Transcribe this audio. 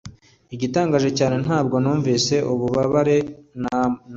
Igitangaje cyane, ntabwo numvise ububabare namba.